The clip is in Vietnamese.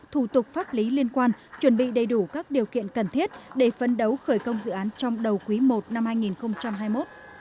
thủ tục pháp lý liên quan chuẩn bị đầy đủ các điều kiện cần thiết để phấn đấu khởi công dự án trong đầu quý i năm hai nghìn hai mươi một